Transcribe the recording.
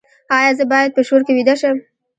ایا زه باید په شور کې ویده شم؟